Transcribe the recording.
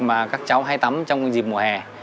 mà các cháu hay tắm trong dịp mùa hè